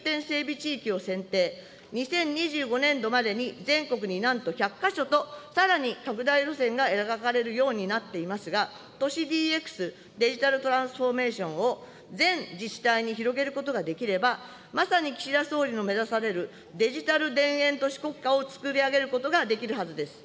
地域を選定、２０２５年度までに全国になんと１００か所と、さらに拡大路線が描かれるようになっていますが、都市ＤＸ、デジタルトランスフォーメーションを全自治体に広げることができれば、まさに岸田総理の目指されるデジタル田園都市国家をつくり上げることができるはずです。